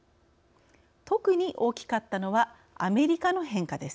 特に大きかったのはアメリカの変化です。